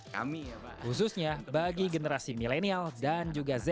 kami khususnya bagi generasi milenial dan juga z